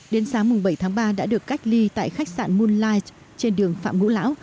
đến sáng bảy tháng ba đã được cách ly tại khách sạn moonlight trên đường phạm ngũ lão